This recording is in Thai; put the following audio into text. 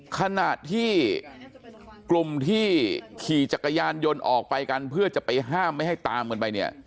ขณะที่กลุ่มที่ขี่จักรยานยนต์ออกไปกันเพื่อจะไปห้ามไม่ให้ตามกันไปเนี่ย